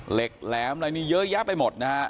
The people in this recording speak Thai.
เหล็กแหลมอะไรนี่เยอะแยะไปหมดนะฮะ